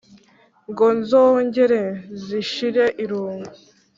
Ngo zongere zishire irungu.